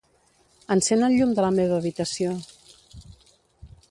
Encén el llum de la meva habitació.